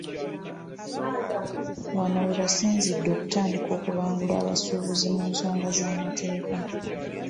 Wano we basinzidde okutandika okubangula abasuubuzi mu nsonga z'amateeka.